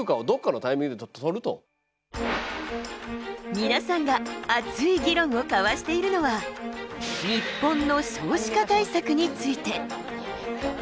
皆さんが熱い議論を交わしているのは日本の少子化対策について。